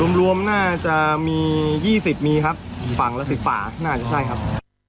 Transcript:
รวมรวมน่าจะมียี่สิบมีครับฝั่งละสิบป่าน่าจะได้ครับ